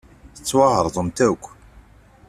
Tettwaɛeṛḍemt akk.